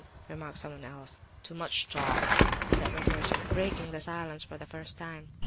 remarked someone else. "Too much talk," said Rogojin, breaking the silence for the first time.